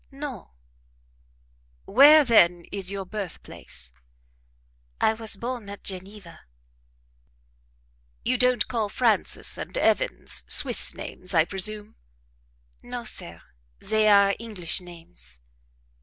"No." "Where, then, is your birthplace?" "I was born at Geneva." "You don't call Frances and Evans Swiss names, I presume?" "No, sir; they are English names."